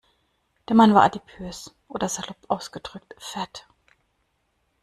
Der Mann war adipös, oder salopp ausgedrückt: Fett.